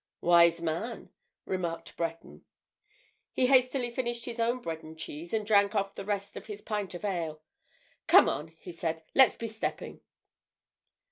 "Wise man," remarked Breton. He hastily finished his own bread and cheese, and drank off the rest of his pint of ale. "Come on," he said, "let's be stepping."